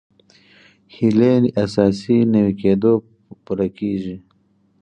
هیلې اساسي نوي کېدو پوره کېږي.